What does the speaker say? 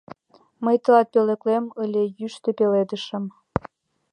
Мый тылат пӧлеклем ыле йӱштӧ пеледышым